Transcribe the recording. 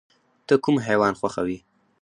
ته کوم حیوان خوښوې؟